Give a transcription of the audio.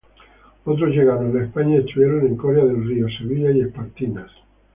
Otros llegaron a España y estuvieron en Coria del Río, Sevilla y Espartinas.